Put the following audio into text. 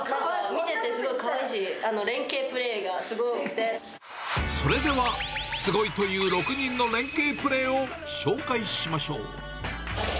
見ててすごいかわいいし、それでは、すごいという６人の連携プレーを紹介しましょう。